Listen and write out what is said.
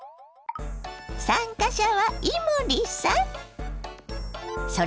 参加者は伊守さん？